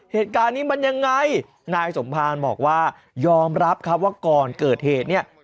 เหตุการณ์นี้มันยังไงนายสมภารบอกว่ายอมรับครับว่าก่อนเกิดเหตุเนี่ย